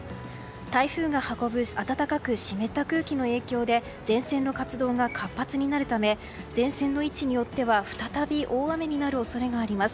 台風が運ぶ暖かく湿った空気の影響で前線の活動が活発になるため前線の位置によっては再び大雨になる恐れがあります。